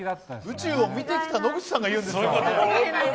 宇宙を見てきた野口さんが言うんだから。